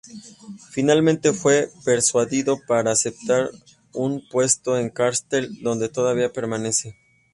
Finalmente fue persuadido para aceptar un puesto en Caltech, donde todavía permanece.